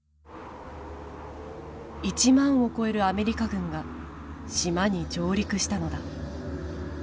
１万を超えるアメリカ軍が島に上陸したのだ。